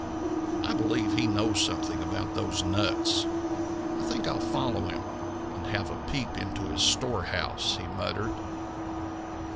"I believe he knows something about those nuts. I think I'll follow him and have a peep into his storehouse," he muttered.